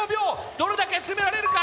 どれだけ詰められるか。